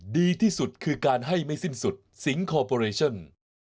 ดีที่สุดคือการให้ไม่สิ้นสุดสิงคอร์ปอเรชั่น